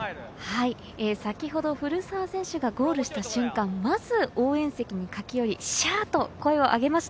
先ほど古澤選手がゴールした瞬間、まず応援席に駆け寄り、シャ！と声をあげました。